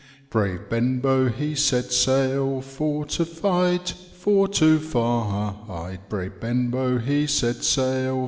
*' Brave Bcnbow he set sail. For to fight, for to fight; Brave Benbow he set sail.